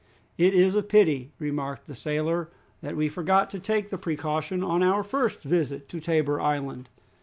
"It is a pity," remarked the sailor, "that we forgot to take that precaution on our first visit to Tabor Island."